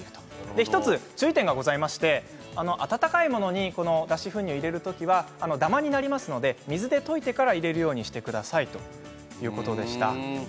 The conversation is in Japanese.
１つ注意点がございまして温かいものに脱脂粉乳を入れる時はダマになりますので水で溶いてから入れるようにしてくださいということでした。